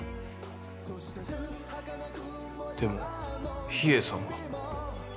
でも秘影さんは。